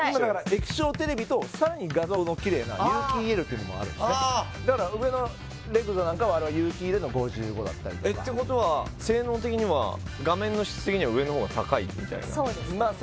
液晶テレビとさらに画像のキレイな有機ＥＬっていうのもあるんですねだから上のＲＥＧＺＡなんかはあれは有機ＥＬの５５だったりとかえってことは性能的には画面の質的には上の方が高いみたいなまあ